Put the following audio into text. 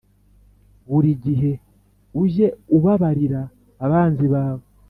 buri gihe ujye ubabarira abanzi bawe.